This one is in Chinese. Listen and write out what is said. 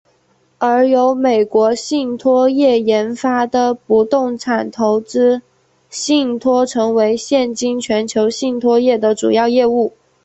而由美国信托业研发的不动产投资信托成为了现今全球信托业的主要业务。